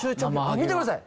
見てください。